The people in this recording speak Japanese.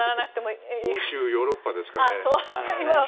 ヨーロッパですからね。